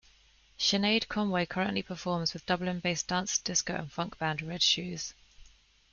Sinead Conway currently performs with Dublin-based dance, disco and funk band, Red Shoes.